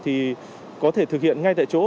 thì có thể thực hiện ngay tại chỗ